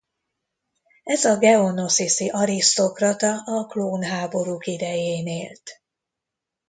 Ez a geonosisi arisztokrata a klónháborúk idején élt.